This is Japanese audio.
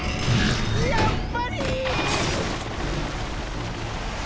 やっぱり！